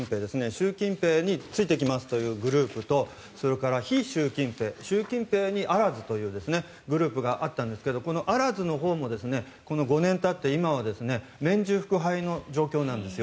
習近平についていきますというグループとそれから非習近平という習近平にあらずというグループがあったんですがこのあらずのほうも５年たって今は面従腹背の状況なんです。